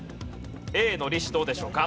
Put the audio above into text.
Ａの利子どうでしょうか？